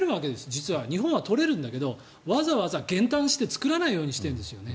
実は、日本は取れるんだけどわざわざ減反して作らないようにしてるんですよね。